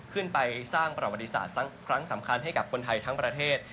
ขึ้นไปสร้างประวัติศาสตร์ครั้งสำคัญให้กับคนไทยทั้งประเทศ